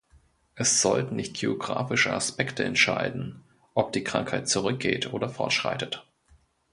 Es sollten nicht geografische Aspekte entscheiden, ob die Krankheit zurückgeht oder fortschreitet.